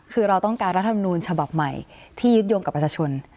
คือเราต้องการรัฐมนูญฉบับใหม่ที่ยึดโยงกับประชาชน